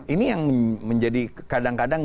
ini yang menjadi kadang kadang